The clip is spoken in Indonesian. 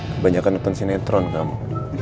kebanyakan nonton sinetron kamu